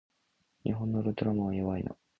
日本のウルトラマンは弱いな